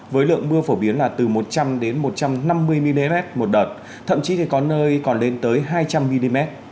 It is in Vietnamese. với lượng mưa phổ biến là từ một trăm linh một trăm năm mươi mm một đợt thậm chí có nơi còn lên tới hai trăm linh mm